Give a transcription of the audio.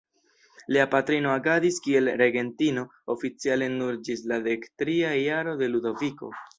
Lia patrino agadis kiel regentino, oficiale nur ĝis la dektria jaro de Ludoviko.